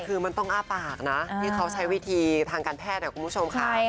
คือมันต้องอ้าปากนะที่เขาใช้วิธีทางการแพทย์คุณผู้ชมค่ะ